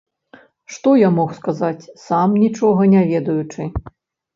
Што я мог сказаць, сам нічога не ведаючы.